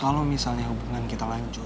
kalau misalnya hubungan kita lanjut